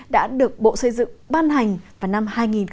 đã được bộ xây dựng ban hành vào năm hai nghìn một mươi